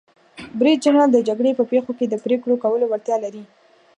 برید جنرال د جګړې په پیښو کې د پریکړو کولو وړتیا لري.